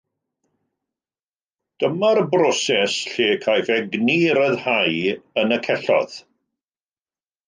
Dyma'r broses lle caiff egni ei ryddhau yn y celloedd